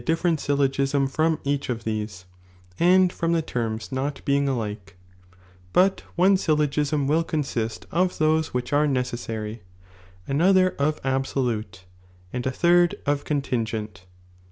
!. different syllogism from each of these, and from the l^rma not being alike ; but one Byllogism will con sist of those which are necessary, another of absolute, and a third J jj of contingent.